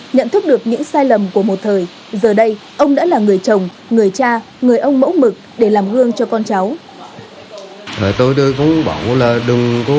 nhận thức được những sai lầm của một thời giờ đây ông đã là người chồng người cha người ông mẫu mực để làm hương cho con cháu